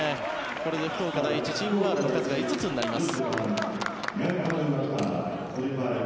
これで福岡第一チームファウルの数が５つになります。